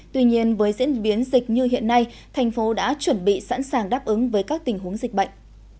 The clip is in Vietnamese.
tuy nhiên với diễn biến dịch như hiện nay thành phố đã chuẩn bị sẵn sàng đáp ứng với các tình huống dịch bệnh